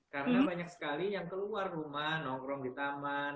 karena banyak sekali yang keluar rumah nongkrong di taman